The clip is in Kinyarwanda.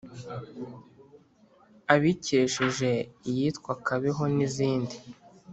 abikesheje iyitwa kabeho n’izindi.